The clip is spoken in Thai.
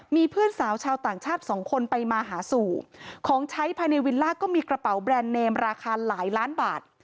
มีเพื่อนสาวชาวต่างชาติสองคนไปมาหาสู่ของใช้ภายในวิลล่าก็มีกระเป๋าแบรนด์เนมราคาหลายล้านบาท